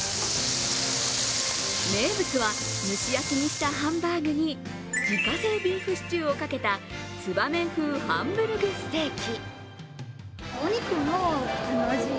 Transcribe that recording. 名物は蒸し焼きにしたハンバーグに自家製ビーフシチューをかけたつばめ風ハンブルグステーキ。